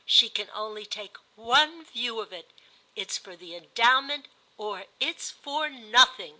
She can only take one view of it. It's for the Endowment or it's for nothing."